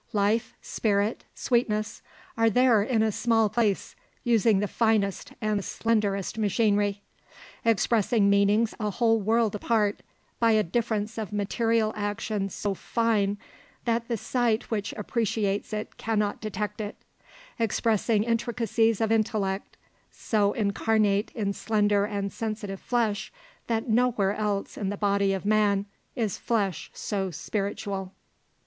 Life, spirit, sweetness are there in a small place; using the finest and the slenderest machinery; expressing meanings a whole world apart, by a difference of material action so fine that the sight which appreciates it cannot detect it; expressing intricacies of intellect; so incarnate in slender and sensitive flesh that nowhere else in the body of man is flesh so spiritual.